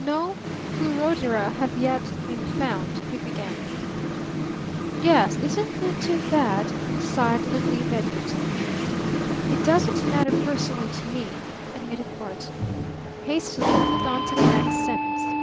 "No Pleurodira have yet been found," he began. "Yes isn't that too bad?" sighed little Eve Edgarton. "It doesn't matter personally to me," admitted Barton. Hastily he moved on to the next sentence.